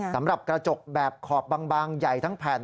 สำหรับกระจกแบบขอบบางใหญ่ทั้งแผ่น